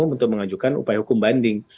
untuk mengajukan upaya hukum banding